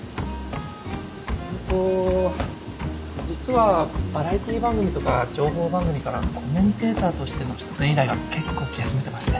それと実はバラエティー番組とか情報番組からコメンテーターとしての出演依頼が結構来始めてまして。